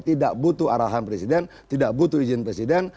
tidak butuh arahan presiden tidak butuh izin presiden